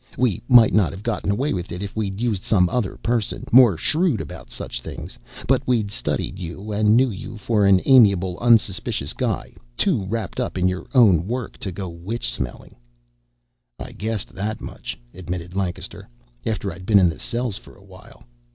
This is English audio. We might not have gotten away with it if we'd used some other person, more shrewd about such things, but we'd studied you and knew you for an amiable, unsuspicious guy, too wrapped up in your own work to go witch smelling." "I guessed that much," admitted Lancaster. "After I'd been in the cells for awhile.